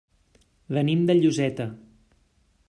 Venim de Lloseta.